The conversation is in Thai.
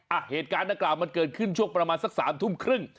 อ่ะเหตุการณ์นากราบมันเกิดขึ้นช่วงประมาณสัก๓ทุ่มครึ่ง